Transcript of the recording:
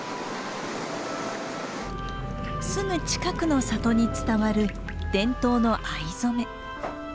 すぐ近くの里に伝わる伝統の藍染め。